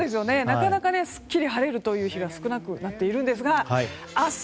なかなかすっきり晴れる日が少なくなっているんですが明日